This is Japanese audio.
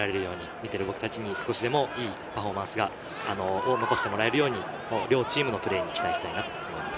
見ている僕たちに少してもいいパフォーマンスを残してもらえるように両チームのプレーに期待したいなと思います。